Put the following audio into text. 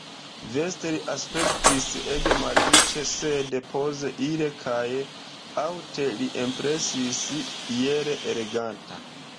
Veste li aspektis ege malriĉe, sed poze, ire kaj aŭte li impresis iel eleganta.